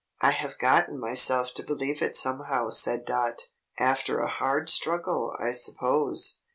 "I have gotten myself to believe it somehow," said Dot. "After a hard struggle, I suppose?"